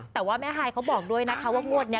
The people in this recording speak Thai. แต่ว่าแม่ฮายเขาบอกด้วยนะคะว่างวดนี้